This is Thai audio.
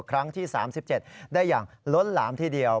ครั้งที่๓๗ได้อย่างล้นหลามทีเดียว